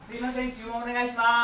注文お願いします